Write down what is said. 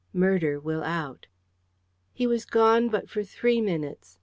MURDER WILL OUT He was gone but for three minutes.